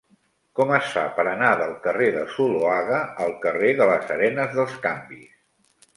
Com es fa per anar del carrer de Zuloaga al carrer de les Arenes dels Canvis?